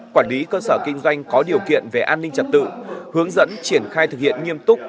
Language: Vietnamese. quản lý cơ sở kinh doanh có điều kiện về an ninh trật tự hướng dẫn triển khai thực hiện nghiêm túc